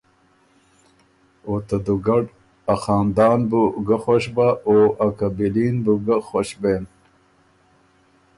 او ته دُوګډ ا خاندان بُو ګۀ خوش بۀ او ا قبیلي ن بُو ګه خوش بېن۔